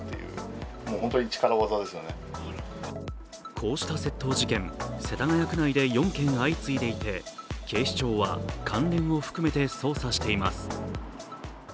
こうした窃盗事件、世田谷区内で４件相次いでいて警視庁は関連を含めて捜査しています。